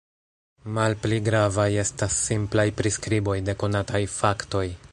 Malpli gravaj estas simplaj priskriboj de konataj faktoj.